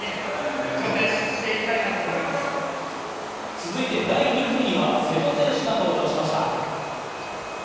続いて第２組には瀬戸選手が登場しました。